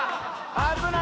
危ない。